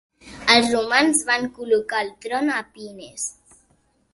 Els romans van col·locar al tron a Pinnes.